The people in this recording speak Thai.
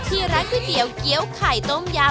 ที่ร้านก๋วยเตี๋ยวเกี้ยวไข่ต้มยำ